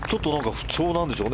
不調なんでしょうね